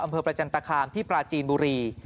อำเภอประจันตคาร์มที่ปราจีนบุรี